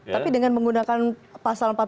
tapi dengan menggunakan pasal empat belas